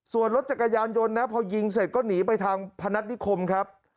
ส่วนรถจักรยานยนต์นะพอยิงเสร็จก็หนีไปทางพนัฐนิคมครับ